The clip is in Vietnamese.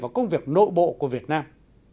trong công việc nội bộ của việt nam